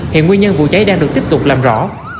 hiện nguyên nhân vụ cháy đang được tiếp tục làm rõ